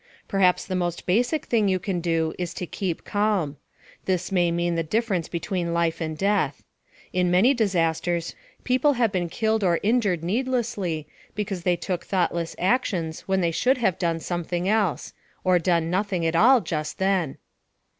Perhaps the most basic thing to remember is to keep calm. This may mean the difference between life and death. In many disasters, people have been killed or injured needlessly because they took thoughtless actions when they should have done something else or done nothing at all just then.